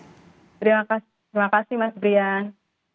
terima kasih mas brian